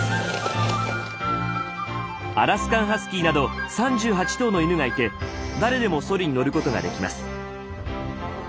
アラスカンハスキーなど３８頭の犬がいて誰でもソリに乗ることができます。